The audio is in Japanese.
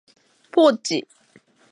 ポーチ